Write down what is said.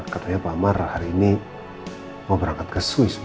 katanya pak amar hari ini mau berangkat ke swiss